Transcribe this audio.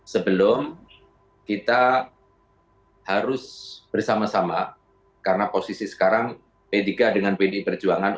sebelum kita harus bersama sama karena posisi sekarang p tiga dengan pdi perjuangan